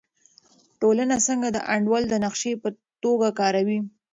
ټولنه څنګه د انډول د نقشې په توګه کاروي؟